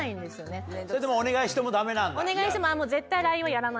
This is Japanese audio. お願いしても。